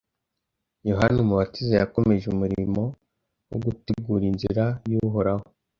Yohana Umubatiza yakomeje umurimo wo gutegura inzira y’Uhoraho,